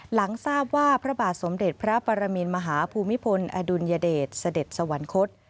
หลังทราบว่าพระบาทสมเด็จพระปรมินมหาภูมิพลอดุลยเดชเสด็จสวรรคต